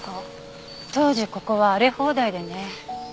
当時ここは荒れ放題でね。